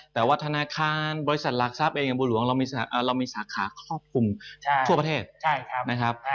แต่ว่าธนาคารบริษัทหลักทราบเองกับบุหรวงเรามีสาขาคอบคุมทั่วประเทศนะครับ